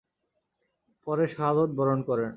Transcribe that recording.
পরে শাহাদাত বরণ করেন।